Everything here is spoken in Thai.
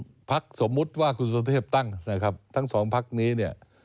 ทั้งสองพักสมมุติว่าคุณสุทธิพย์ตั้งทั้งสองพักนี้